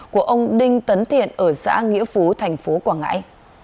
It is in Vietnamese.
của ông đinh tấn thiện ở xã nghĩa phú thành phố quảng ngãi